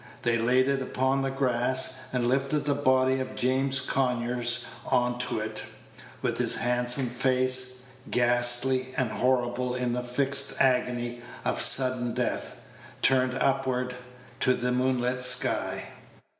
They laid it upon the grass, and lifted the body of James Conyers on to it, with his handsome face ghastly and horrible in the fixed agony of sudden death turned upward to the moonlit sky.